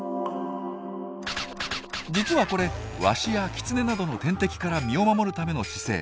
実はこれワシやキツネなどの天敵から身を守るための姿勢。